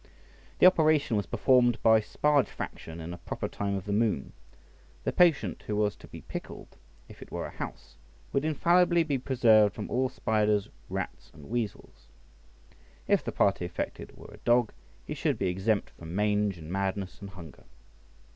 The operation was performed by spargefaction in a proper time of the moon. The patient who was to be pickled, if it were a house, would infallibly be preserved from all spiders, rats, and weasels; if the party affected were a dog, he should be exempt from mange, and madness, and hunger.